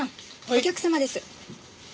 お客様です。